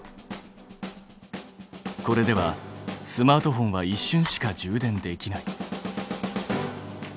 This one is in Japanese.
これではスマートフォンは一瞬しか充電できない。